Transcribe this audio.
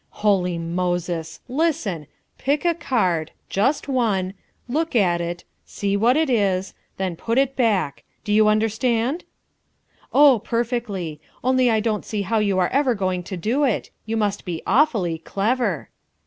"Holy Moses! Listen. Pick a card just one look at it see what it is then put it back do you understand?" "Oh, perfectly. Only I don't see how you are ever going to do it. You must be awfully clever."